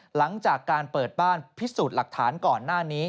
หลังจากการเปิดบ้านพิสูจน์หลักฐานก่อนหน้านี้